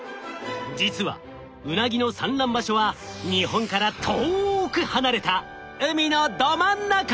実はウナギの産卵場所は日本から遠く離れた海のど真ん中！